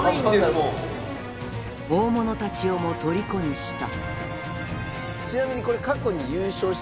大物たちをも虜にした